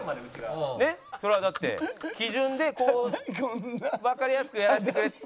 それはだって基準でこうわかりやすくやらせてくれ。